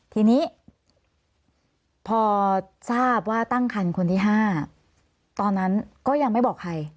ทีนี้พอทราบว่าตั้งคันคนที่๕ตอนนั้นก็ยังไม่บอกใคร